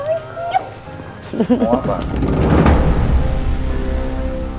tama kena harus yang buoooyyup